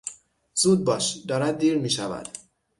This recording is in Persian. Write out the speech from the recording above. زود باش، دارد دیر میشود!